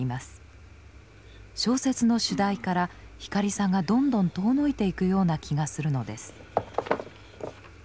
小説の主題から光さんがどんどん遠のいていくような気がするのです。